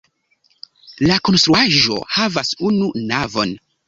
La konstruaĵo havas unu navon.